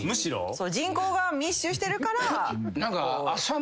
人口が密集してるから。